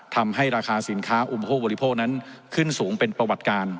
ทำให้ราคาสินค้าอุปโภคบริโภคนั้นขึ้นสูงเป็นประวัติการ